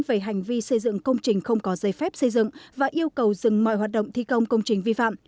về hành vi xây dựng công trình không có giấy phép xây dựng và yêu cầu dừng mọi hoạt động thi công công trình vi phạm